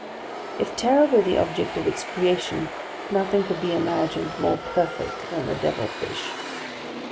If terror were the object of its creation, nothing could be imagined more perfect than the devil fish.